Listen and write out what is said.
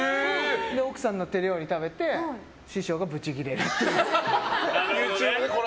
奥さんの手料理食べて師匠がブチギレるっていう。